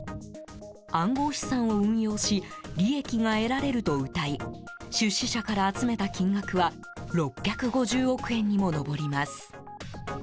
暗号資産を運用し利益が得られるとうたい出資者から集めた金額は６５０億円にも上ります。